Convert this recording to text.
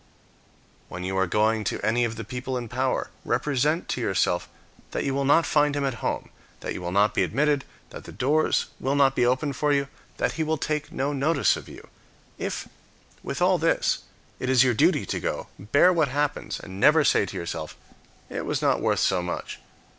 When you are going to any of the people in power, represent to yourself that you will not find him at home; that you will not be admitted; that the doors will not be opened to you; that he will take no notice of you. If, with all this, it is your duty to go, bear what happens, and never say [to yourself], " It was not worth so much."